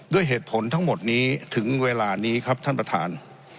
ด้วยเหตุผลทั้งหมดนี้ถึงเวลานี้ครับท่านประธาน